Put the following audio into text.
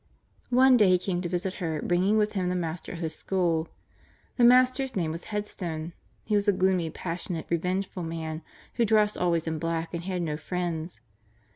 One day he came to visit her, bringing with him the master of his school. The master's name was Headstone. He was a gloomy, passionate, revengeful man who dressed always in black and had no friends.